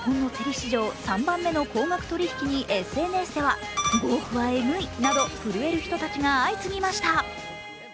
日本の競り史上３番目の高額取引にＳＮＳでは震える人たちが相次ぎました。